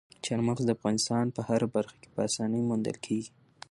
چار مغز د افغانستان په هره برخه کې په اسانۍ موندل کېږي.